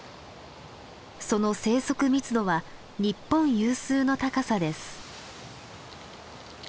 その生息密度は日本有数の高さです。